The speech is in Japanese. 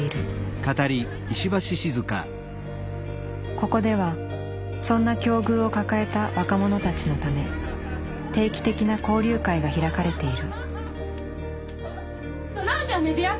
ここではそんな境遇を抱えた若者たちのため定期的な交流会が開かれている。